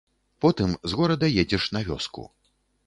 Потым з горада едзеш на вёску.